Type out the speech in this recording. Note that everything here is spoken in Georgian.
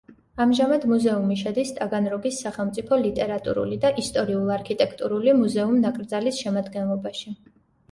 ამჟამად მუზეუმი შედის ტაგანროგის სახელმწიფო ლიტერატურული და ისტორიულ-არქიტექტურული მუზეუმ-ნაკრძალის შემადგენლობაში.